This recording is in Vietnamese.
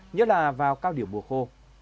nhất là vào cao điểm mùa khô